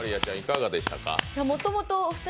もともとお二人